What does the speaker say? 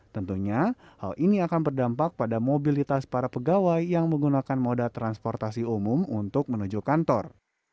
tentunya hal ini akan berdampak pada mobilitas para pegawai yang menggunakan moda transportasi umum untuk menuju kantor